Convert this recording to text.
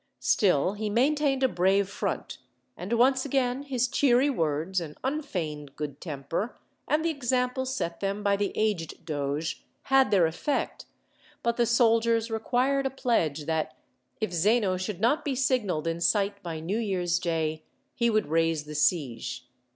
Still, he maintained a brave front, and once again his cheery words, and unfeigned good temper, and the example set them by the aged doge, had their effect; but the soldiers required a pledge that, if Zeno should not be signalled in sight by New Year's Day, he would raise the siege.